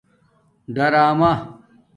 ڈآرمہ